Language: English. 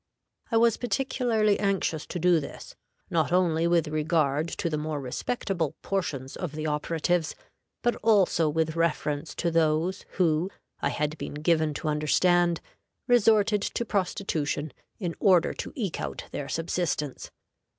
I was particularly anxious to do this, not only with regard to the more respectable portions of the operatives, but also with reference to those who, I had been given to understand, resorted to prostitution in order to eke out their subsistence.